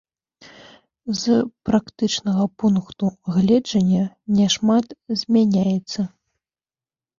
З практычнага пункту гледжання няшмат змяняецца.